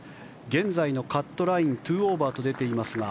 現在のカットライン２オーバーと出ていますが。